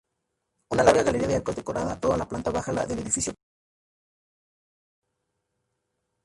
Una larga galería de arcos decora toda la planta baja del edificio para viajeros.